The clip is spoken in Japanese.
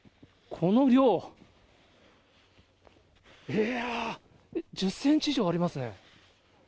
この量、いやー、１０センチ以上ありますね。